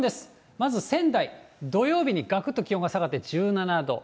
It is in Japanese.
まず仙台、土曜日にがくっと気温が下がって１７度。